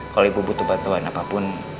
kalau ibu butuh bantuan apapun